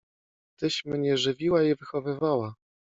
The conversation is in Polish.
Tyś mnie żywiła i wychowywała.